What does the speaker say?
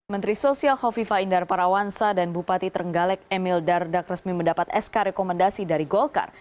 menteri sosial khofifa indar parawansa dan bupati trenggalek emil dardak resmi mendapat sk rekomendasi dari golkar